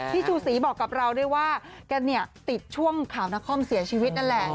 ชูศรีบอกกับเราด้วยว่าแกเนี่ยติดช่วงข่าวนครเสียชีวิตนั่นแหละ